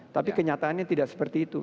tapi kenyataannya tidak seperti itu